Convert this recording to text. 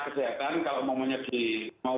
kesehatan kalau omongnya mau